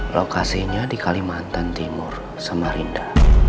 lokasinya di kalimantan timur samarinda